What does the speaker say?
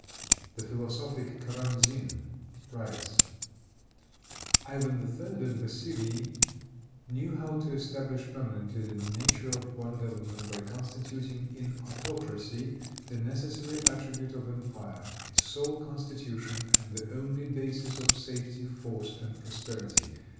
The philosophic Karamsin writes: "Ivan III. and Vassili knew how to establish permanently the nature of one government by constituting in autocracy the necessary attribute of empire, its sole constitution, and the only basis of safety, force and prosperity.